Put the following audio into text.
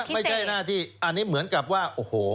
ไม่ใช่หน้าที่อันนี้เหมือนกับว่าโอ้โห